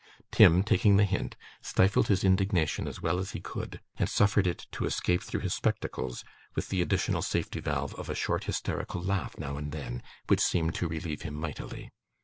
Tim, taking the hint, stifled his indignation as well as he could, and suffered it to escape through his spectacles, with the additional safety valve of a short hysterical laugh now and then, which seemed to relieve him mightily.